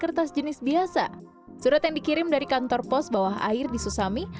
kertas jenis biasa surat yang dikirim dari kantor pos bawah air di susami